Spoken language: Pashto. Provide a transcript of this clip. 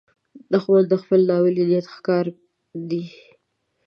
دښمن د خپل ناولي نیت ښکار دی